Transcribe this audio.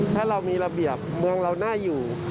ถ้าเรามีระเบียบมันต้องอยู่